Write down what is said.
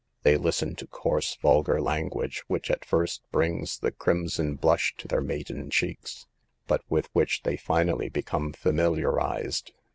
They listen to coarse, vulgar language, which at first brings the crimson blush to their maiden cheeks, but with which they finally become familiarized.